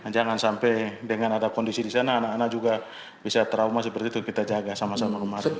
jangan sampai dengan ada kondisi di sana anak anak juga bisa trauma seperti itu kita jaga sama sama kemarin